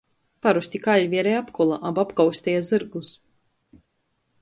Parosti kaļvi ari apkola aba apkausteja zyrgus.